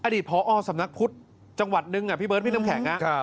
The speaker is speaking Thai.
พอสำนักพุทธจังหวัดนึงพี่เบิร์ดพี่น้ำแข็ง